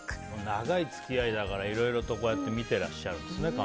長い付き合いだからいろいろと見ていらっしゃるんですね。